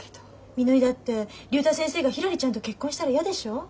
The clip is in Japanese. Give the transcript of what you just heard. みのりだって竜太先生がひらりちゃんと結婚したら嫌でしょ？